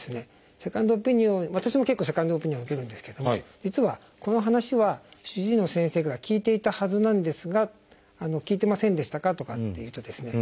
セカンドオピニオンを私も結構セカンドオピニオンを受けるんですけども実はこの話は主治医の先生から聞いていたはずなんですが聞いてませんでしたか？とかって言うとですね